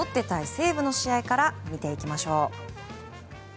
西武の試合から見ていきましょう。